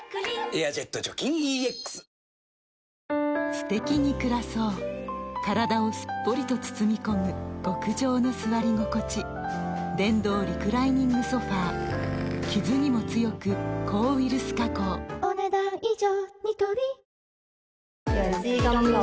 すてきに暮らそう体をすっぽりと包み込む極上の座り心地電動リクライニングソファ傷にも強く抗ウイルス加工お、ねだん以上。